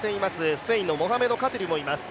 スペインのモハメド・カティルもいます。